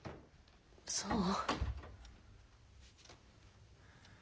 そう？